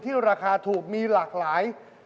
ราคาถูกมีหลากหลาย